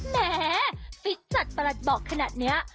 แหมฟิตจัดประหลัดบอกขนาดนี้